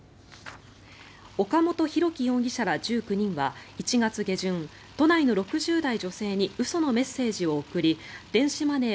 岡本大樹容疑者ら１９人は１月下旬都内の６０代女性に嘘のメッセージを送り電子マネー